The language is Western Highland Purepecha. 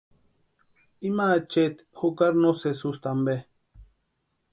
Ima acheeti jukari no sési ústi ampe.